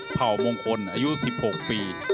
เผ่ามงคลอายุ๑๖ปี